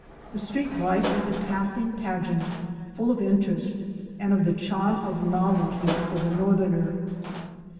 The street life is a passing pageant, full of interest and of the charm of novelty for the Northerner.